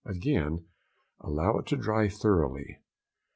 Again allow it to dry thoroughly.